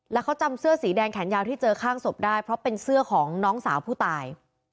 แล้วเขาจำเสื้อสีแดงแขนยาวที่เจอข้างศพได้เพราะเป็นเสื้อของน้องสาวผู้ตาย